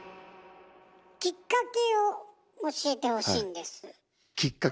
きっかけを教えてほしいんです。きっかけ？